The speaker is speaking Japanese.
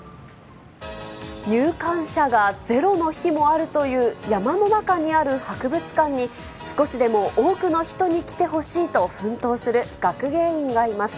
入館者がゼロの日もあるという、山の中にある博物館に、少しでも多くの人に来てほしいと奮闘する学芸員がいます。